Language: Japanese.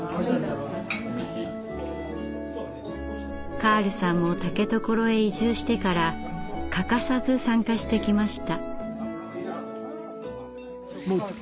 カールさんも竹所へ移住してから欠かさず参加してきました。